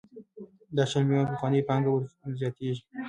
دا شل میلیونه په پخوانۍ پانګه ورزیاتېږي